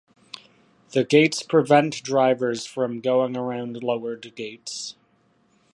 The gates prevent drivers from going around lowered gates.